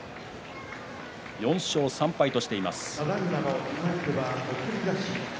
４勝３敗としています。